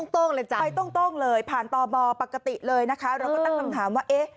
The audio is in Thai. ไปโต้งเลยผ่านตบปกติเลยนะคะเราก็ตั้งคำถามว่าเอ๊ะ